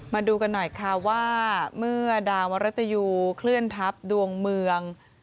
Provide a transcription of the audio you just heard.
มาดูกันหน่อยค่ะว่าเมื่อดาวมรัตยูเคลื่อนทัพดวงเมือง